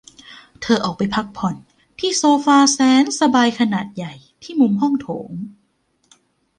เธอออกไปพ้กผ่อนที่โซฟาแสนสบายขนาดใหญ่ที่มุมห้องโถง